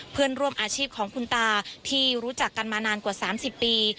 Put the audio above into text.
เพื่อนร่วมอาชีพของคุณตาที่รู้จักกันมานานกว่า๓๐ปี